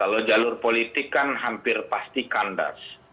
kalau jalur politik kan hampir pasti kandas